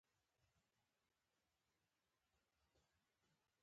زه له ملګري املا اخلم.